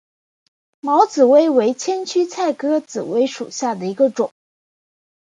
毛紫薇为千屈菜科紫薇属下的一个种。